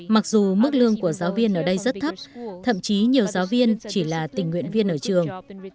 mặc dù mức lương của giáo viên ở đây rất thấp thậm chí nhiều giáo viên chỉ là tình nguyện viên ở trường